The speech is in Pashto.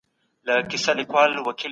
د انسان فطرت د ملکيت غوښتونکی دی.